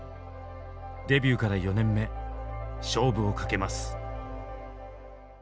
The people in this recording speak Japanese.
デビューから４年目勝負をかけます。